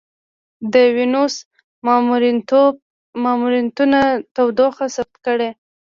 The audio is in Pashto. د وینوس ماموریتونه تودوخه ثبت کړې.